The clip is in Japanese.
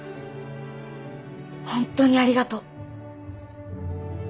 ホントにありがとう。